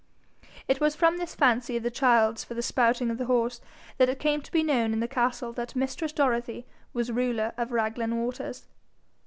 It was from this fancy of the child's for the spouting of the horse that it came to be known in the castle that mistress Dorothy was ruler of Raglan waters.